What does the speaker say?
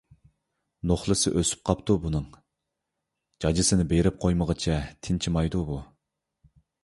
— نوخلىسى ئۆسۈپ قاپتۇ بۇنىڭ، جاجىسىنى بېرىپ قويمىغۇچە تىنچىمايدۇ بۇ!